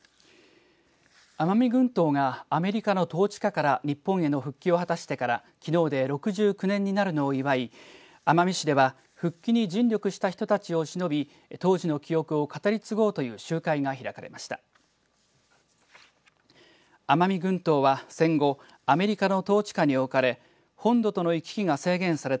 奄美群島がアメリカの統治下から日本への復帰を果たしてからきのうで６９年になるのを祝い奄美市では復帰に尽力した人たちをしのび当時の記憶を語り継ごうという集会が開かれました。